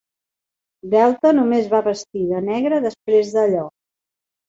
Delta només va vestir de negre després d'allò.